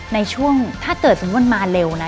ในช่วงถ้าเกิดสมมุติมาเร็วนะ